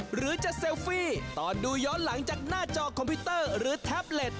หรือจะเซลฟี่ตอนดูย้อนหลังจากหน้าจอคอมพิวเตอร์หรือแท็บเล็ต